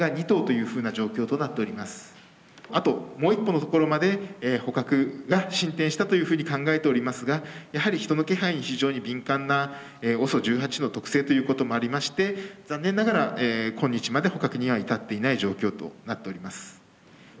あともう一歩のところまで捕獲が進展したというふうに考えておりますがやはり人の気配に非常に敏感なＯＳＯ１８の特性ということもありまして残念ながら今日まで捕獲には至っていない状況となっております。